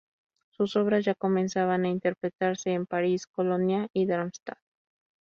Sus obras ya comenzaban a interpretarse en París, Colonia y Darmstadt.